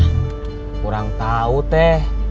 kurang tau teh